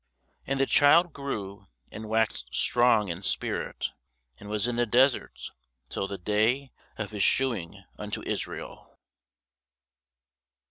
And the child grew, and waxed strong in spirit, and was in the deserts till the day of his shewing unto Israel.